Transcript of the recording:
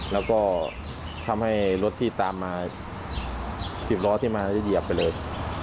แล้วก็ทำให้รถที่ตามมา๑๐ล้อที่มาแล้วเหยียบไปเลย